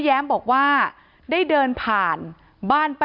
ที่มีข่าวเรื่องน้องหายตัว